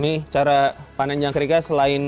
nih cara panen jangkriknya selain